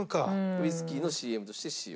ウイスキーのＣＭとして使用。